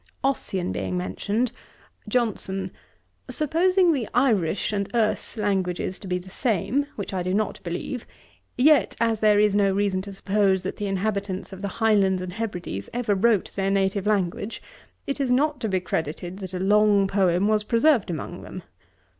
Ossian being mentioned; JOHNSON. 'Supposing the Irish and Erse languages to be the same, which I do not believe, yet as there is no reason to suppose that the inhabitants of the Highlands and Hebrides ever wrote their native language, it is not to be credited that a long poem was preserved among them.